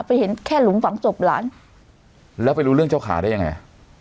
เห็นแค่หลุมฝังศพหลานแล้วไปรู้เรื่องเจ้าขาได้ยังไง